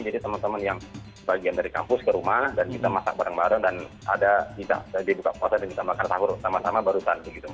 jadi teman teman yang bagian dari kampus ke rumah dan kita masak bareng bareng dan ada di buka puasa kita makan sahur sama sama baru tadi